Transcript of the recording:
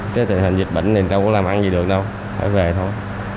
thế thì hình dịch bệnh đâu có làm ăn gì được đâu phải về thôi